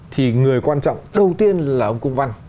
thì người quan trọng đầu tiên là ông cung văn